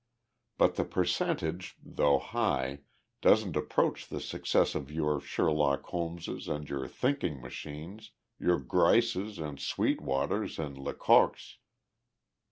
But their percentage, though high, doesn't approach the success of your Sherlock Holmeses and your Thinking Machines, your Gryces and Sweetwaters and Lecoqs."